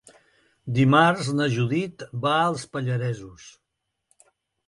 Dimarts na Judit va als Pallaresos.